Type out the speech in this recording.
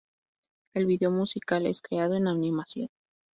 El video musical es creado en animación.